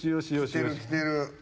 きてるきてる。